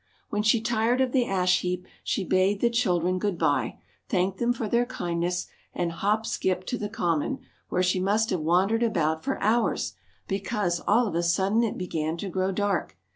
When she tired of the ash heap she bade the children good by, thanked them for their kindness, and hop skipped to the Common, where she must have wandered about for hours, because, all of a sudden, it began to grow dark.